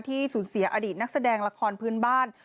สูญเสียอดีตนักแสดงละครพื้นบ้าน